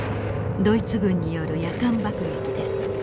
ドイツ軍による夜間爆撃です。